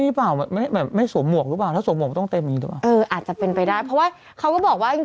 พี่จี้เขาต้องมียืดอกขึ้นมาก่อน